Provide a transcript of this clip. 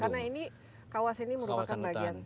karena ini kawasan ini merupakan bagian